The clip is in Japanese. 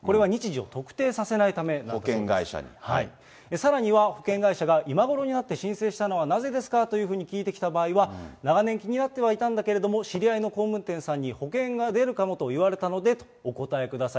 さらには保険会社が今ごろになって申請したのはなぜですかというふうに聞いてきた場合には、長年気になってはいたんだけれども、知り合いの工務店さんに保険が出るかもと言われたので、お答えください。